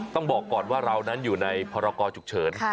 ต้องบอกก่อนว่าเรานั้นอยู่ในพรกรฉุกเฉิน